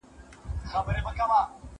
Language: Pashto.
زه پرون سبزیجات تياروم وم!.